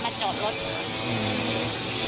มาจอดรถ